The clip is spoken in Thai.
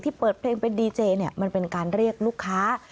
เปิดเพลงเป็นดีเจเนี่ยมันเป็นการเรียกลูกค้า